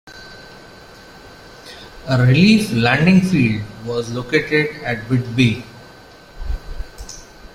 A relief landing field was located at Whitby.